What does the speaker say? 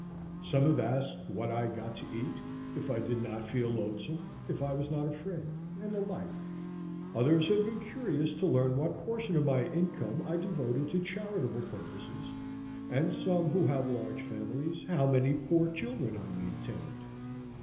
Some have asked what I got to eat; if I did not feel lonesome; if I was not afraid; and the like. Others have been curious to learn what portion of my income I devoted to charitable purposes; and some, who have large families, how many poor children I maintained.